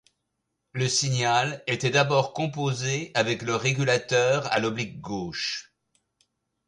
Le signal était d'abord composé avec le régulateur à l'oblique gauche.